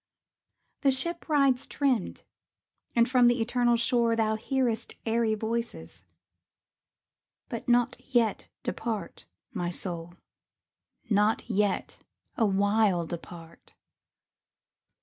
The ship rides trimmed, and from the eternal shore Thou hearest airy voices; but not yet Depart, my soul, not yet awhile depart.